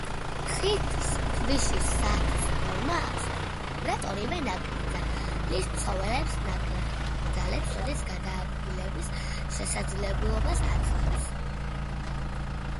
ხიდს ქვიშის საათის ფორმა აქვს, რაც ორივე ნაკრძალის ცხოველებს ნაკრძალებს შორის გადაადგილების შესაძლებლობას აძლევს.